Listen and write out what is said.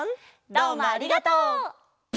どうもありがとう！